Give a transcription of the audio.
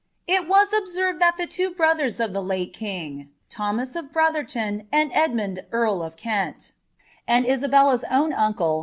It was observed that the two brothers of the late lung, Th(»M4f Brolherton and Edmund earl of Kent, and Isabella's own uiicle.